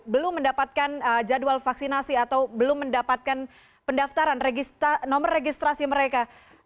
belum mendapatkan jadwal vaksinasi atau belum mendapatkan pendaftaran nomor registrasi mereka